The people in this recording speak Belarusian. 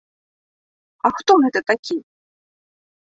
А хто гэта такі?